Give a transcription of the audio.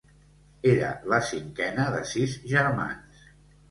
Era la cinquena de sis germans.